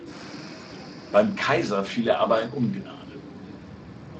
Beim Kaiser fiel er aber in Ungnade.